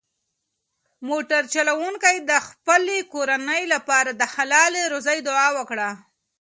موټر چلونکي د خپلې کورنۍ لپاره د حلالې روزۍ دعا وکړه.